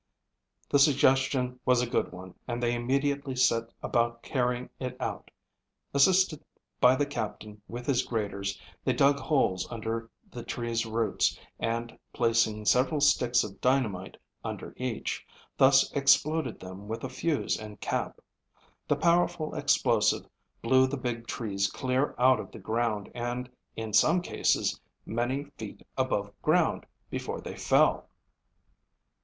The suggestion was a good one and they immediately set about carrying it out. Assisted by the Captain with his graders, they dug holes under the trees' roots and placing several sticks of dynamite under each, thus exploded them with a fuse and cap. The powerful explosive blew the big trees clear out of the ground and in some cases many feet above ground before they fell.